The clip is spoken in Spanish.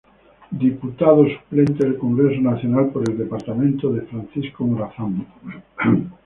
Diputado Suplente del Congreso Nacional por el departamento de Francisco Morazán.